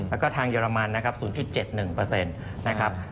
แล้วก็ทางเยอรมันนะครับ๐๗๑นะครับ